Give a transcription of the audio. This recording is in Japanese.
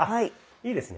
いいですね。